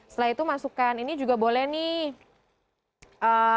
setelah itu masukkan ini juga boleh nih